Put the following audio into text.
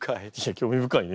興味深いね。